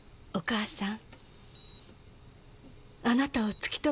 お義母さん